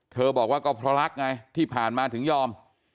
บอกว่าก็เพราะรักไงที่ผ่านมาถึงยอม